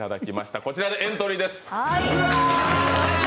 こちらでエントリーです。